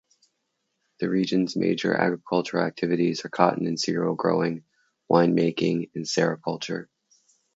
The region's major agricultural activities are cotton and cereal growing, winemaking and sericulture.